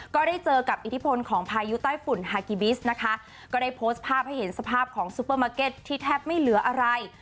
ก็ได้เจอกับอิทธิพลของพายุใต้ฝุ่นฮากิบิสนะคะก็ได้โพสต์ภาพให้เห็นสภาพของซูเปอร์มาร์เก็ตที่แทบไม่เหลืออะไร